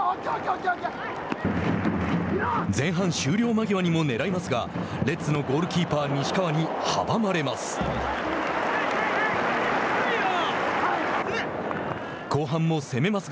前半終了間際にもねらいますがレッズのゴールキーパー西川に阻まれます。